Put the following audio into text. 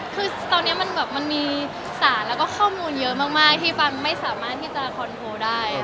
คือตอนนี้มันแบบมันมีสารแล้วก็ข้อมูลเยอะมากที่ฟันไม่สามารถที่จะคอนโทรได้